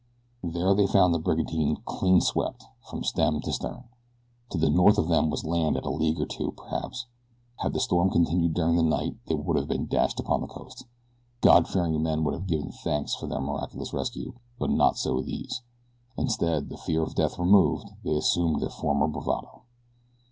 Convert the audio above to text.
There they found the brigantine clean swept from stem to stern. To the north of them was land at a league or two, perhaps. Had the storm continued during the night they would have been dashed upon the coast. God fearing men would have given thanks for their miraculous rescue; but not so these. Instead, the fear of death removed, they assumed their former bravado.